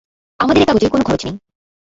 আমাদের এ কাগজে কোনো খরচ নেই।